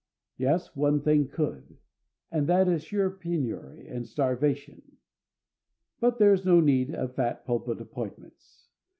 Yes, one thing could; and that is sure penury and starvation. But there is no need of fat pulpit appointments.